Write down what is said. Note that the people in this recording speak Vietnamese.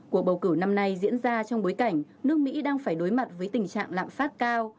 cuộc bầu cử năm nay diễn ra trong bối cảnh nước mỹ đang phải đối mặt với tình trạng lạm phát cao